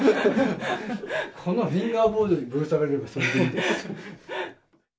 このフィンガーボードにぶら下がれればそれでいいんです。